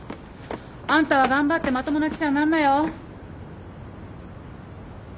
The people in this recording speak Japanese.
あんたは頑張ってまともな記者になんなよ。